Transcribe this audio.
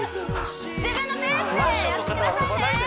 自分のペースでやってくださいね！